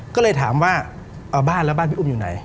ก็เลยถามว่าเอาบ้านแล้วบ้านพี่อุ้มอยู่ไหน